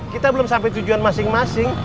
kita belum sampai tujuan masing masing